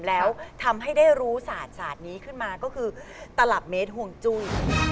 แล้วทำให้ได้รู้ศาสตร์ศาสตร์นี้ขึ้นมาก็คือตลับเมตรห่วงจุ้ย